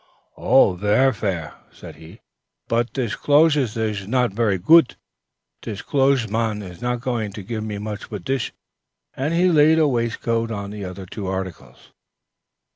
"Oh, ver fair," said he, "but te closhes ish not ver goot; te closhesman is not going to give me noting for dish," and he laid a waistcoat on the other two articles.